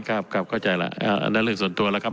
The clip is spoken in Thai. ครับครับเข้าใจแล้วอันนั้นเรื่องส่วนตัวแล้วครับ